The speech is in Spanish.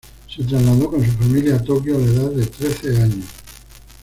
Se trasladó con su familia a Tokio a la edad de trece años.